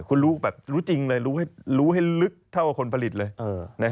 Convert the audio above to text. คุณรู้แบบรู้จริงเลยรู้ให้ลึกเท่ากับคนผลิตเลย